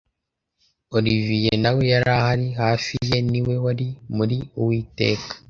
olivier nawe yari ahari, hafi ye. ni we wari muri uwiteka